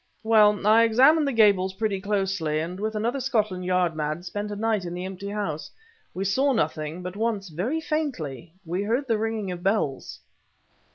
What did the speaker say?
Well, I examined the Gables pretty closely, and, with another Scotland Yard man, spent a night in the empty house. We saw nothing; but once, very faintly, we heard the ringing of bells."